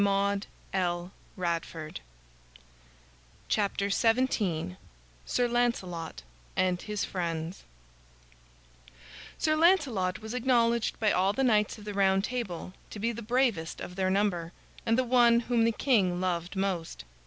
[Illustration: The Shield] SIR LANCELOT & HIS FRIENDS Sir Lancelot was acknowledged by all the knights of the Round Table to be the bravest of their number, and the one whom the king loved most.